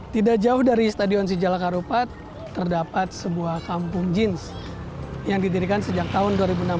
tidak jauh dari stadion sijala karupat terdapat sebuah kampung jeans yang didirikan sejak tahun dua ribu enam belas